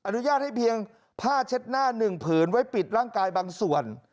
อนุญาตให้เพียงผ้าเช็ดหน้าหนึ่งผืนไว้ปิดร่างกายบางส่วน